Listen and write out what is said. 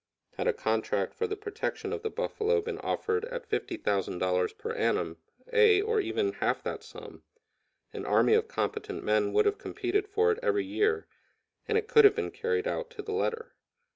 Had a contract for the protection of the buffalo been offered at $50,000 per annum, ay, or even half that sum, an army of competent men would have competed for it every year, and it could have been carried out to the letter.